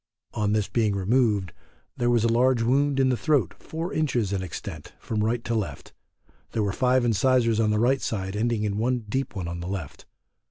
On this being removed, there was a large wound in the throat four inches in extent from right to left; there were five incisors on the right side ending in one deep one on the left.